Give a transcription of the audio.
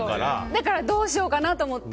だからどうしようかなと思って。